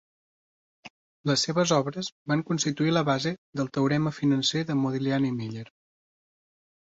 Les seves obres van constituir la base del "teorema financer de Modigliani-Miller"